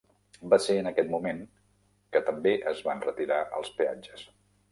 Va ser en aquest moment que també es van retirar els peatges.